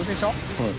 はい。